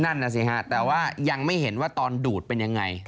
นั่นน่ะสิฮะแต่ว่ายังไม่เห็นว่าตอนดูดเป็นยังไง